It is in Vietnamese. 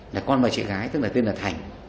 là con và chị gái tức là tên là thành